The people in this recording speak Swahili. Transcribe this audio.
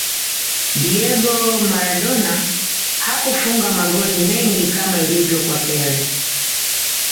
diego maradona hakufunga magoli mengi kama ilivyo kwa pele